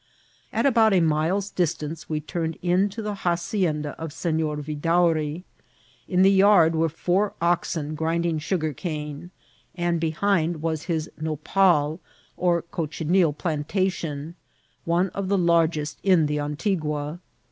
At about a mile's distance we turned in to the hacienda of Senor Vidaury. In the yard were four oxen grinding sugarcane, and behind was his nopal, or cochineal plantation, one of the largest in the Antigua.